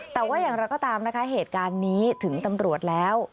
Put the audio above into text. แต่ว่าอย่างไรก็ตามนะคะเหตุการณ์นี้ถึงตำรวจแล้ว